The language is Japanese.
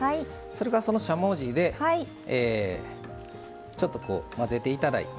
それからそのしゃもじでちょっと混ぜていただいて。